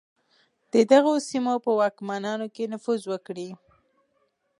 د دغو سیمو په واکمنانو کې نفوذ وکړي.